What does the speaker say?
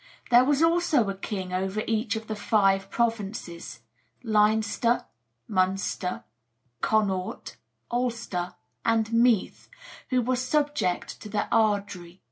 There was also a king over each of the five provinces Leinster, Munster, Connaught, Ulster, and Meath who were subject to the Ard ri.